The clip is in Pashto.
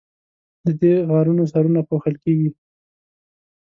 د دې غارونو سرونه پوښل کیږي.